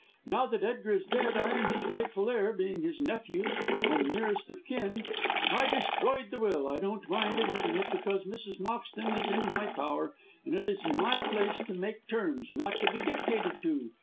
Now that Edgar is dead, I am his rightful heir, being his nephew, and nearest of kin. I destroyed the will I don't mind admitting it, because Mrs. Moxton is in my power, and it is my place to make terms, not to be dictated to.